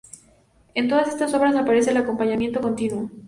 En todas estas obras aparece el acompañamiento continuo.